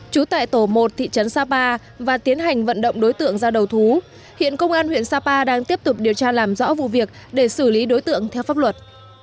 trú tại tổ một thị trấn sapa và tiến hành vận động đối tượng ra đầu thú hiện công an huyện sapa đang tiếp tục điều tra làm rõ vụ việc để xử lý đối tượng theo pháp luật